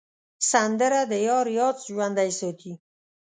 سندره د یار یاد ژوندی ساتي